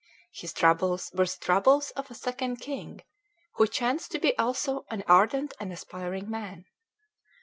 His troubles were the troubles of a second king, who chanced to be also an ardent and aspiring man.